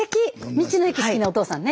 道の駅好きなお父さんね。